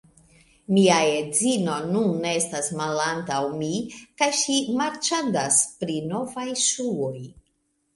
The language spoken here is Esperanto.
Mia edzino nun estas malantaŭ mi kaj ŝi marĉandas pri novaj ŝuoj